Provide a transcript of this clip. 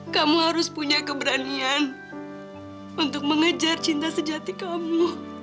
kamu harus punya keberanian untuk mengejar cinta sejati kamu